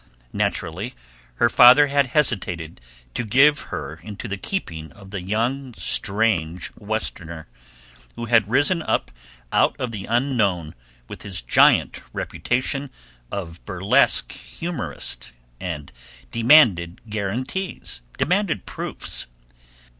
Naturally, her father had hesitated to give her into the keeping of the young strange Westerner, who had risen up out of the unknown with his giant reputation of burlesque humorist, and demanded guaranties, demanded proofs.